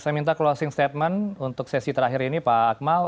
kita closing statement untuk sesi terakhir ini pak akmal